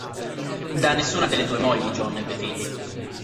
Da nessuna delle due mogli John ebbe figli.